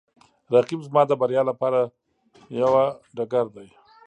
رقیب زما د بریا لپاره یوه ډګر دی